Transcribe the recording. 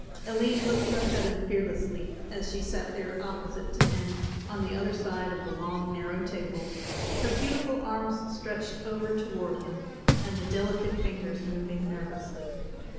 Aline looked up at him fearlessly, as she sat there opposite to him on the other side of the long narrow table, her beautiful arms stretched over toward him and the delicate fingers moving nervously.